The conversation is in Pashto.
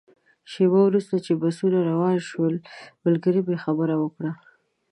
شېبه وروسته چې بسونه روان شول، ملګري مې خبره وکړه.